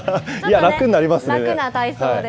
楽な体操で。